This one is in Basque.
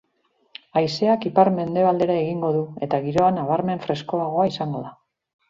Haizeak ipar-mendebaldera egingo du, eta giroa nabarmen freskoagoa izango da.